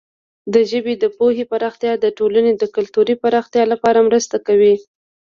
د ژبې د پوهې پراختیا د ټولنې د کلتوري پراختیا لپاره مرسته کوي.